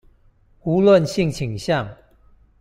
無論性傾向